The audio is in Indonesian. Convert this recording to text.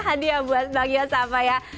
hadiah buat bang yos apa ya